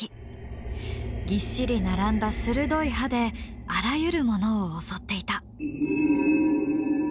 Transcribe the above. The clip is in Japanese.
ぎっしり並んだ鋭い歯であらゆるものを襲っていた。